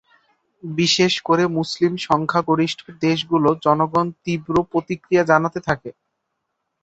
বিশেষ করে মুসলিম সংখ্যাগরিষ্ঠ দেশগুলোর জনগণ তীব্র প্রতিক্রিয়া জানাতে থাকে।